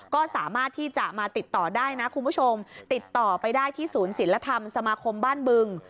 ก็สามารถที่จะมาติดต่อได้นะคุณผู้ชมติดต่อไปได้ที่ศูนย์ศิลธรรมสมาคมบ้านบึง